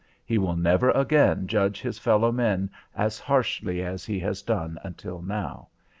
He will never again judge his fellow men as harshly as he has done until now.